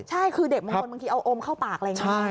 ใช่คือเด็กบางคนบางทีเอาอมเข้าปากอะไรอย่างนี้